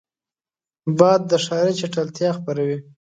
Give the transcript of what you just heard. باد د ښاري چټلتیا خپروي